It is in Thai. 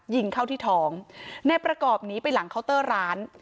ยิงเข้าที่ท้องนายประกอบหนีไปหลังเคาน์เตอร์ร้าน